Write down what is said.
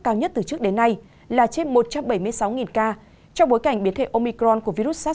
cao nhất từ trước đến nay là trên một trăm bảy mươi sáu ca trong bối cảnh biến thể omicron của